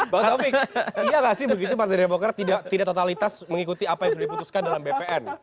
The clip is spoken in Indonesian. bang taufik iya nggak sih begitu partai demokrat tidak totalitas mengikuti apa yang sudah diputuskan dalam bpn